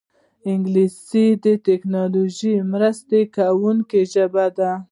انګلیسي د ټیکنالوژۍ مرسته کوونکې ژبه ده